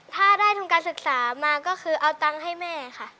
ถ้าได้ทุนการศึกษามาก็คือเอาตังค์ให้แม่ค่ะ